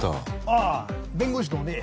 ああ弁護士のね